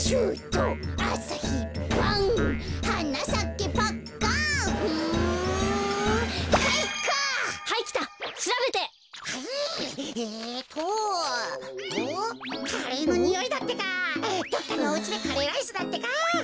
どこかのおうちでカレーライスだってか。